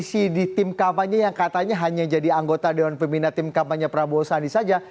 atau bahkan posisi di tim kampanye yang katanya hanya jadi anggota dengan pembina tim kampanye prabowo sandi saja